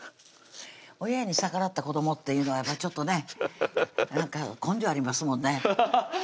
親に逆らった子どもっていうのはちょっとねなんか根性ありますもんね